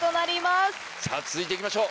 続いていきましょう！